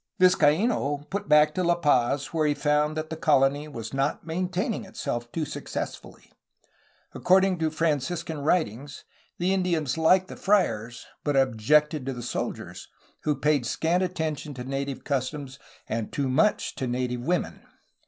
Vizcaino put back to La Paz, where he found that the colony was not maintaining itself too successfully. Accord ing to Franciscan writings the Indians liked the friars, but objected to the soldiers, who paid scant attention to native customs and too much to native women!